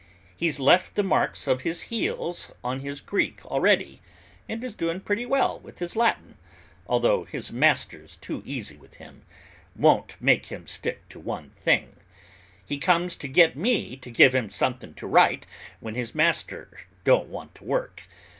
He's left the marks of his heels on his Greek already, and is doing pretty well with his Latin, although his master's too easy with him; won't make him stick to one thing. He comes to me to get me to give him something to write when his master don't want to work.